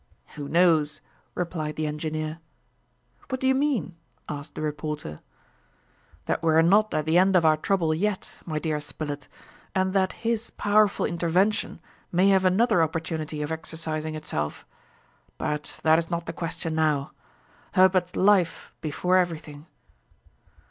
"Who knows?" replied the engineer. "What do you mean?" asked the reporter. "That we are not at the end of our trouble yet, my dear Spilett, and that his powerful intervention may have another opportunity of exercising itself. But that is not the question now. Herbert's life before everything."